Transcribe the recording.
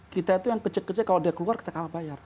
kita itu yang kecil kecil kalau dia keluar kita kalah bayar